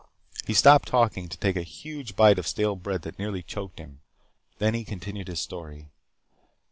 He stopped talking to take a huge bite of stale bread that nearly choked him. Then he continued his story.